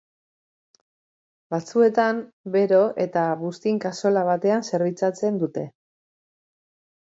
Batzuetan, bero eta buztin-kazola batean zerbitzatzen dute.